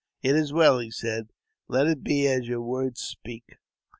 " It is well," he said ;" let it be as your words speak."